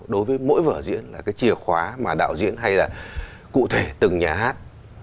đối với mỗi vở diễn là cái chìa khóa mà đạo diễn hay là cụ thể từng nhà hát